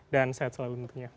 dan saya selalu menuntutnya